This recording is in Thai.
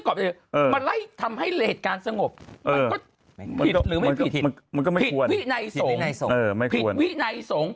อะไรทำให้เหล็ดการสงบเออ